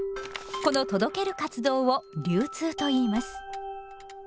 この届ける活動を流通といいます。